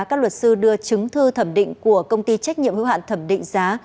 các luật sư đưa chứng thư thẩm định của công ty trách nhiệm hữu hạn thẩm định giá